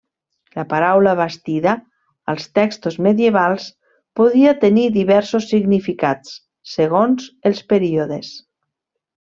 La paraula bastida, als textos medievals, podia tenir diversos significats, segons els períodes.